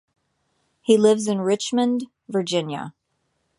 He lives in Richmond, Virginia.